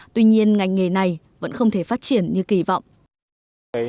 tuy nhiên ngành nghề này vẫn không thể phát triển như kỳ vọng